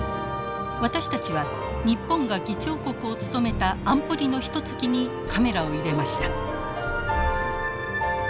私たちは日本が議長国を務めた安保理のひとつきにカメラを入れました。